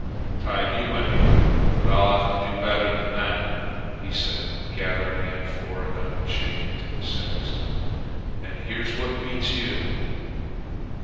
"Tied you, anyway, but I'll have to do better than that," he said, gathering in four of them and shaking to the six. "And here's what beats you!"